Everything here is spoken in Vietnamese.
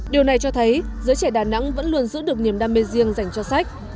điều này cho thấy giới trẻ đà nẵng vẫn luôn giữ được niềm đam mê riêng dành cho sách